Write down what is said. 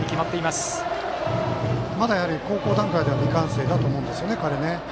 まだ高校段階では未完成だと思うんですね、彼は。